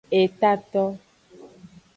Etato.